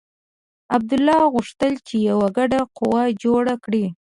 عبیدالله غوښتل چې یوه ګډه قوه جوړه کړي.